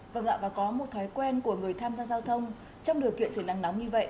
vâng ạ và có một thói quen của người tham gia giao thông trong điều kiện trời nắng nóng như vậy